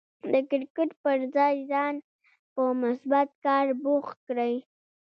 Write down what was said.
د کرکټ پر ځای ځان په مثبت کار بوخت کړئ.